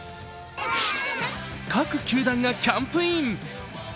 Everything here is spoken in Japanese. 各球団がキャンプイン。